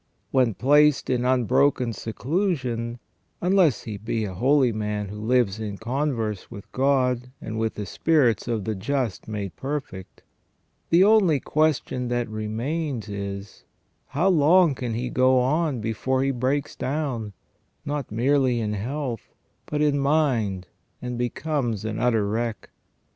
When placed in unbroken seclusion, unless he be a holy man who lives in converse with God and with the spirits of the just made perfect, the only question that remains is, how long can he go on before he breaks down, not merely in health, but in mind and becomes an utter wreck.